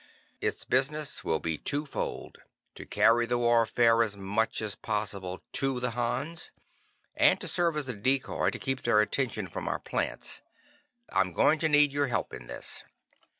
Its business will be twofold: to carry the warfare as much as possible to the Hans, and to serve as a decoy, to keep their attention from our plants. I'm going to need your help in this.